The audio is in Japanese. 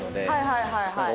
はいはいはい。